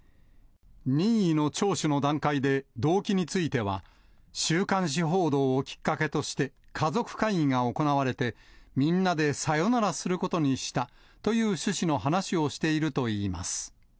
任意の聴取の段階で動機については、週刊誌報道をきっかけとして、家族会議が行われて、みんなでさよならすることにしたという趣旨の話をしているといいます。